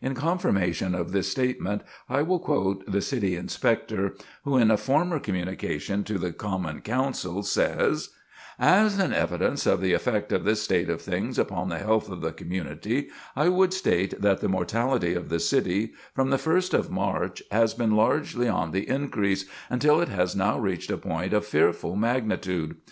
In confirmation of this statement, I will quote the City Inspector, who, in a former communication to the Common Council, says: "As an evidence of the effect of this state of things upon the health of the community, I would state that the mortality of the city, from the first of March, has been largely on the increase, until it has now reached a point of fearful magnitude.